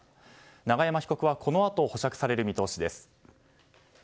永山被告はこのあと保釈される見通しです。